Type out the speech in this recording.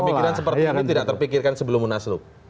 pemikiran seperti itu tidak terpikirkan sebelum nasluk